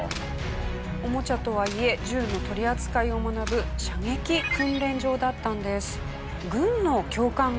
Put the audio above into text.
オモチャとはいえ銃の取り扱いを学ぶ射撃訓練場だったんです。